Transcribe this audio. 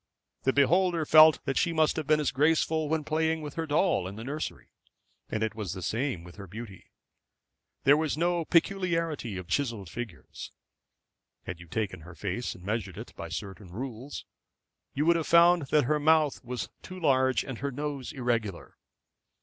The beholder felt that she must have been as graceful when playing with her doll in the nursery. And it was the same with her beauty. There was no peculiarity of chiselled features. Had you taken her face and measured it by certain rules, you would have found that her mouth was too large and her nose irregular.